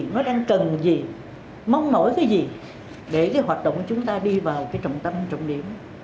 nó đang cần gì mong mỏi cái gì để cái hoạt động của chúng ta đi vào cái trọng tâm trọng điểm